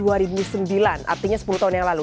artinya sepuluh tahun yang lalu